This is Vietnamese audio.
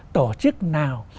tổ chức nào